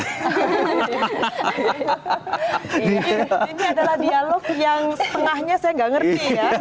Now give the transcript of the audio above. ini adalah dialog yang setengahnya saya nggak ngerti ya